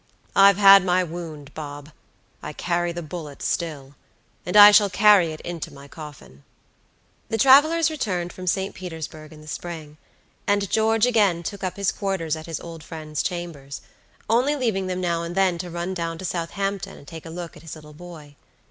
I've had my wound, Bob; I carry the bullet still, and I shall carry it into my coffin." The travelers returned from St. Petersburg in the spring, and George again took up his quarters at his old friend's chambers, only leaving them now and then to run down to Southampton and take a look at his little boy.